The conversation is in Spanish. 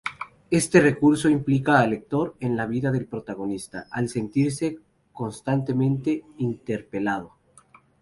Este recurso implica al lector en la vida del protagonista, al sentirse constantemente interpelado.